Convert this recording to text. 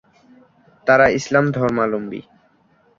তারা ইসলাম ধর্মাবলম্বী।